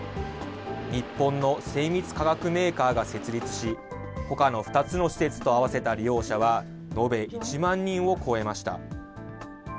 日本の精密化学メーカーが設立し、ほかの２つの施設と合わせた利用者は延べ１万人を超えました。